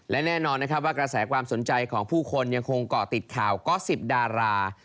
และแน่นอนนะครับว่ากระแสความสนใจของผู้คนยังคงเกาะติดข่าวก็๑๐ดารา